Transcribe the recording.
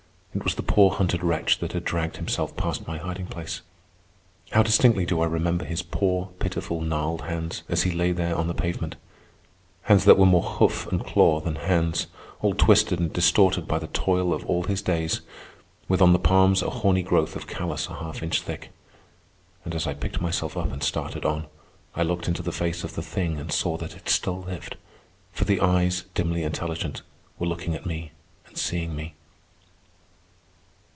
It was the poor hunted wretch that had dragged himself past my hiding place. How distinctly do I remember his poor, pitiful, gnarled hands as he lay there on the pavement—hands that were more hoof and claw than hands, all twisted and distorted by the toil of all his days, with on the palms a horny growth of callous a half inch thick. And as I picked myself up and started on, I looked into the face of the thing and saw that it still lived; for the eyes, dimly intelligent, were looking at me and seeing me.